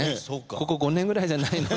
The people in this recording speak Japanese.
ここ５年くらいじゃないので。